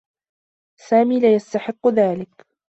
سامي لا يستحقّ ذلك.